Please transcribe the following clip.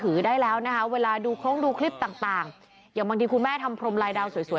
ถือได้แล้วนะคะเวลาดูโครงดูคลิปต่างอย่างบางทีคุณแม่ทำพรมลายดาวสวยสวย